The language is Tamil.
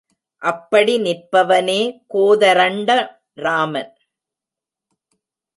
அப்படி நிற்பவனே கோதரண்டராமன்.